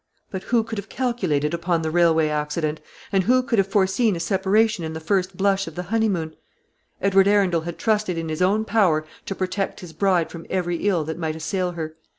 But who could have calculated upon the railway accident; and who could have foreseen a separation in the first blush of the honeymoon? Edward Arundel had trusted in his own power to protect his bride from every ill that might assail her.